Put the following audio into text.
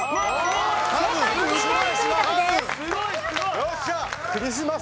よっしゃー！